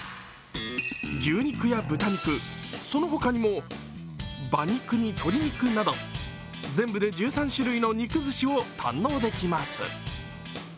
牛肉や豚肉、その他にも馬肉に鶏肉など全部で１３種類の肉ずしを堪能できます。